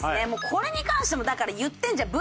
これに関してもだから言ってんじゃん。